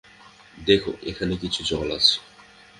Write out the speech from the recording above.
দেখ, এখানে কিছু জল আছে।